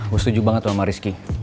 gue setuju banget sama rizky